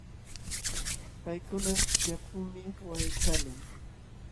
Paykuna llakulmi waqaykalin.